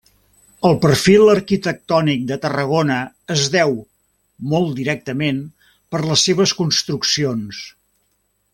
El perfil arquitectònic de Tarragona es deu, molt directament, per les seves construccions.